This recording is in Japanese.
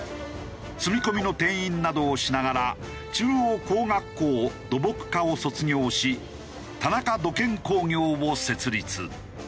住み込みの店員などをしながら中央工学校土木科を卒業し田中土建工業を設立。